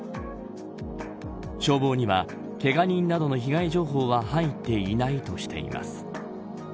消防にはけが人などの被害情報は入っていないとしています。